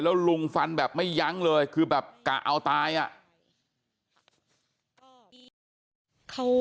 แล้วลุงฟันแบบไม่ยั้งเลยคือแบบกะเอาตายอ่ะ